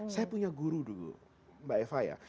saya punya guru dulu mbak eva ya